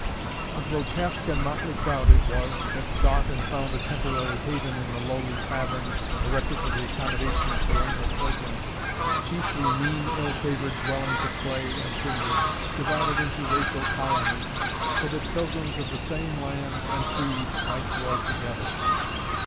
A grotesque and motley crowd it was, that sought and found a temporary haven in the lowly taverns, erected for the accommodation of perennial pilgrims, chiefly mean ill favored dwellings of clay and timber, divided into racial colonies, so that pilgrims of the same land and creed might dwell together.